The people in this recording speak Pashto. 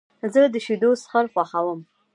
زه د شیدو څښل خوښوم.